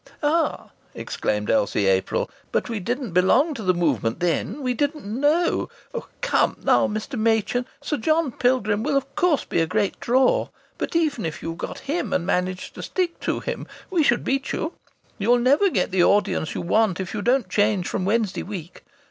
"Ah!" exclaimed Elsie April. "But we didn't belong to the Movement then! We didn't know.... Come now, Mr. Machin. Sir John Pilgrim will of course be a great draw. But even if you've got him and manage to stick to him, we should beat you. You'll never get the audience you want if you don't change from Wednesday week.